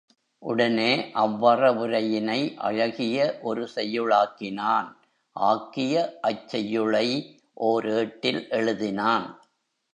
உடனே, அவ்வறவுரை யினை அழகிய ஒரு செய்யுளாக்கினான் ஆக்கிய அச் செய்யுளை ஓர் ஏட்டில் எழுதினான்.